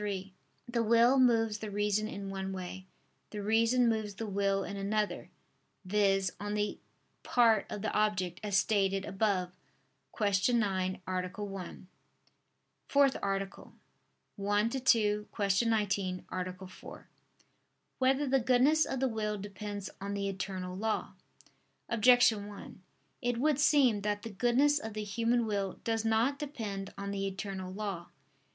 3: The will moves the reason in one way: the reason moves the will in another, viz. on the part of the object, as stated above (Q. 9, A. 1). ________________________ FOURTH ARTICLE [I II, Q. 19, Art. 4] Whether the Goodness of the Will Depends on the Eternal Law? Objection 1: It would seem that the goodness of the human will does not depend on the eternal law.